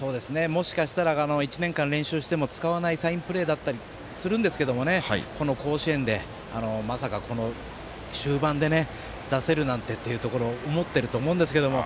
もしかしたら１年間練習しても使わないサインプレーだったりするんですがこの甲子園で、まさかこの終盤で出せるなんてと思ってると思うんですが。